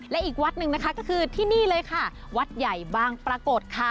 และอีกวัดหนึ่งนะคะก็คือที่นี่เลยค่ะวัดใหญ่บางปรากฏค่ะ